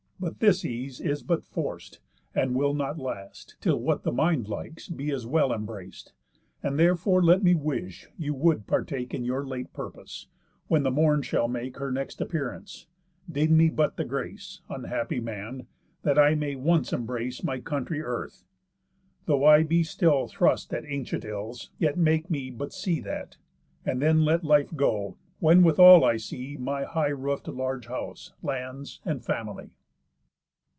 But this ease is but forc'd, and will not last, Till what the mind likes be as well embrac'd; And therefore let me wish you would partake In your late purpose; when the morn shall make Her next appearance, deign me but the grace, Unhappy man, that I may once embrace My country earth. Though I be still thrust at By ancient ills, yet make me but see that. And then let life go, when withal I see My high roof'd large house, lands, and family."